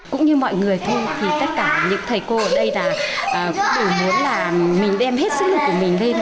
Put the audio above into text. cũng như mọi người thôi thì tất cả những thầy cô ở đây là cũng chỉ muốn là mình đem hết sức lực của mình lên